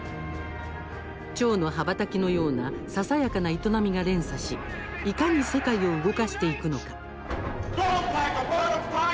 チョウの羽ばたきのようなささやかな営みが連鎖しいかに世界を動かしていくのか。